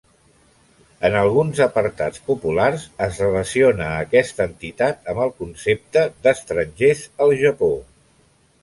En alguns apartats populars, es relaciona a aquesta entitat amb el concepte d'estrangers al Japó.